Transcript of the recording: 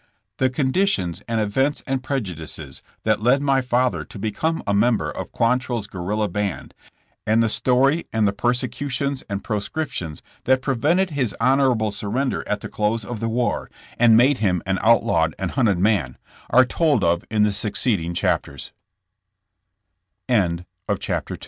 The conditions and events and prejudices that led my father to become a member of Quantrell's guerrilla band, and the story of the persecutions and proscriptions that prevented his honorable surrender at the close of the war, and made him an outlawed and hunted man, are told of in the succeeding